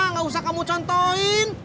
nggak usah kamu contohin